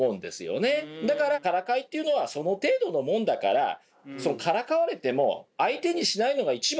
だからからかいっていうのはその程度のもんだからからかわれても相手にしないのが一番。